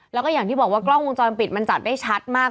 แล้วก็อย่างที่บอกว่ากล้องวงจรปิดมันจับได้ชัดมาก